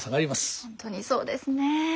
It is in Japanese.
本当にそうですね。